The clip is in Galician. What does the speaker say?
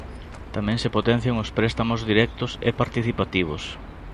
Tamén se potencian os préstamos directos e participativos.